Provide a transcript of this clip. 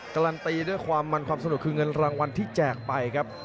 การันตีด้วยความมันความสนุกคือเงินรางวัลที่แจกไปครับ